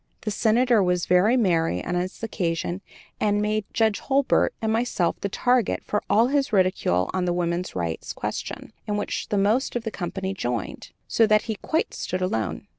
The Senator was very merry on that occasion and made Judge Hurlbert and myself the target for all his ridicule on the woman's rights question, in which the most of the company joined, so that we stood quite alone.